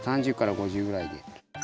３０から５０ぐらいで。